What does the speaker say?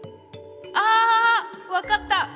あ！分かった！